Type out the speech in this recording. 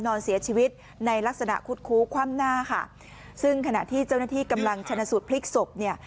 นอนเสียชีวิตในลักษณะคุดคู้คว่ำหน้าค่ะซึ่งขณะที่เจ้าหน้าที่กำลังชนะสูตรพลิกศพเนี่ย